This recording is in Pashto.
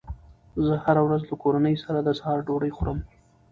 زه هره ورځ له کورنۍ سره د سهار ډوډۍ خورم